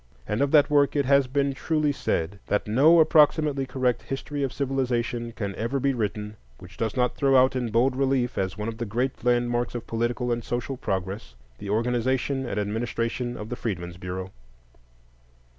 And of that work it has been truly said that "no approximately correct history of civilization can ever be written which does not throw out in bold relief, as one of the great landmarks of political and social progress, the organization and administration of the Freedmen's Bureau."